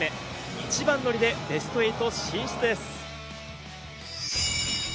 一番乗りでベスト８進出です。